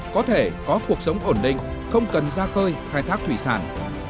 có thể có cuộc sống ổn định không cần ra khơi khai thác thủy sản